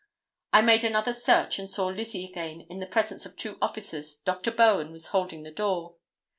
I made another search and saw Lizzie again in the presence of two officers, Dr. Bowen was holding the door.